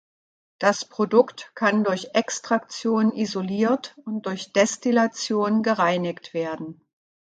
Das Produkt kann durch Extraktion isoliert und durch Destillation gereinigt werden.